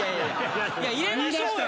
入れましょうよ！